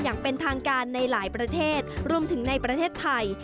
อย่างเป็นทางการในหลายประเทศรวมถึงในประเทศไทย